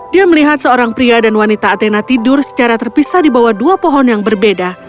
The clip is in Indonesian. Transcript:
dia melihat seorang pria dan wanita atena tidur secara terpisah di bawah dua pohon yang berbeda